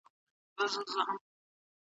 سړي په خپل ښي لاس کې د درملو کڅوړه نیولې ده.